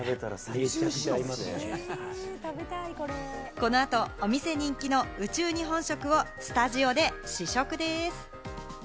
このあと、お店人気の宇宙日本食をスタジオで試食です。